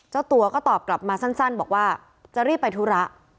เจ้าตัวก็ตอบกลับมาสั้นบอกว่าจะรีบไปธุระ